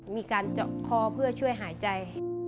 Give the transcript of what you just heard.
มีการเจาะคอเพื่อช่วยหายใจ